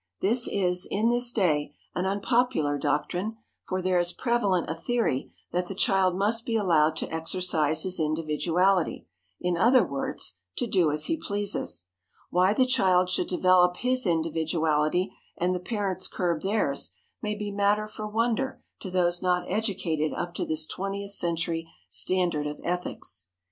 This is, in this day, an unpopular doctrine, for there is prevalent a theory that the child must be allowed to exercise his individuality,—in other words, to do as he pleases. Why the child should develop his individuality, and the parents curb theirs, may be matter for wonder to those not educated up to this twentieth century standard of ethics.